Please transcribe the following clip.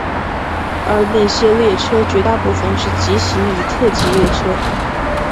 而那些列车绝大部分是急行与特急列车。